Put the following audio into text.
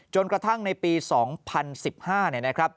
จนกระทั่งในปี๒๐๑๕นะครับ